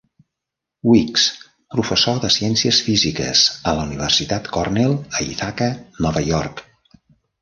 Weeks, professor de Ciències Físiques a la Universitat Cornell a Ithaca, Nova York.